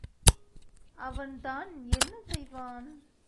அவன் தான் என்ன செய்வான்?